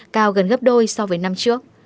cao gần gấp đôi so với năm trước